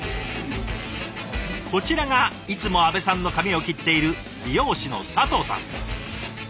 こちらがいつも阿部さんの髪を切っている美容師の佐藤さん。